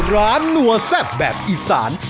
ร้านหนัวแซ่บแบบอีซาน